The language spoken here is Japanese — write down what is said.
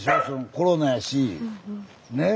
コロナやしねえ。